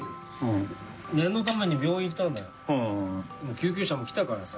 救急車も来たからさ。